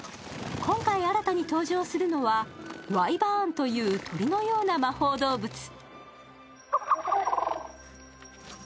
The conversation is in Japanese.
今回に新たに登場するのは、ワイバーンという鳥のような魔法動物。